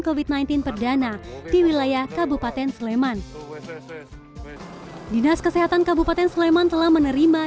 covid sembilan belas perdana di wilayah kabupaten sleman dinas kesehatan kabupaten sleman telah menerima